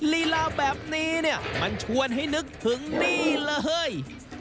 ลีลาแบบนี้เนี่ยมันชวนให้นึกถึงนี่เลย